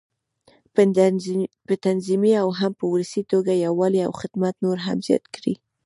په تنظيمي او هم په ولسي توګه یووالی او خدمت نور هم زیات کړي.